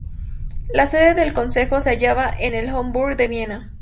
La sede del Consejo se hallaba en el Hofburg de Viena.